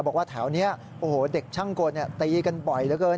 บอกว่าแถวนี้โอ้โหเด็กช่างกลตีกันบ่อยเหลือเกิน